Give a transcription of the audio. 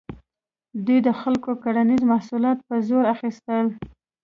دوی د خلکو کرنیز محصولات په زور اخیستل.